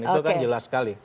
itu kan jelas sekali